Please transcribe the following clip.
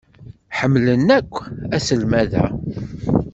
Ḥemmlen akk aselmad-a.